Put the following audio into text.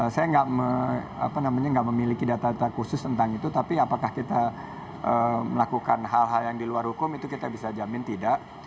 saya nggak memiliki data data khusus tentang itu tapi apakah kita melakukan hal hal yang di luar hukum itu kita bisa jamin tidak